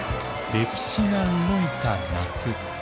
歴史が動いた夏。